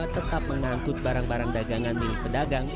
tetap mengangkut barang barang dagangan milik pedagang